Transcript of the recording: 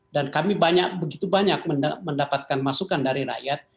dan kami banyak begitu banyak mendapatkan masukan dari rakyat